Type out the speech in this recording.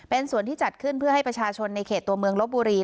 เป็นส่วนที่จัดขึ้นเพื่อให้ประชาชนในเขตตัวเมืองลบบุรี